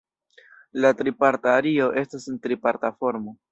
La triparta ario estas en triparta formo.